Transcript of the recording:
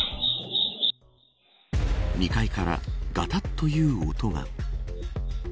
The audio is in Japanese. ２階からがたっという音が。